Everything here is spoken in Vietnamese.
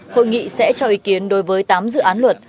hội nghị sẽ cho ý kiến đối với tám dự án luật